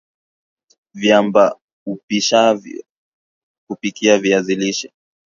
Viambaupishivya kupikia viazi lishe